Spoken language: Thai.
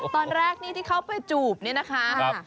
ตอนแรกนี่ที่เขาไปจูบเนี่ยนะคะ